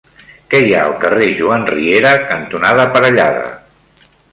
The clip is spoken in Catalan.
Què hi ha al carrer Joan Riera cantonada Parellada?